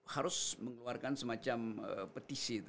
harus mengeluarkan semacam petisi